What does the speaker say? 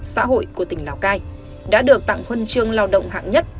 xã hội của tỉnh lào cai đã được tặng huân chương lao động hạng nhất